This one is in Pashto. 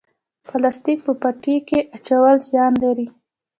پلاستیک په پټي کې اچول زیان لري؟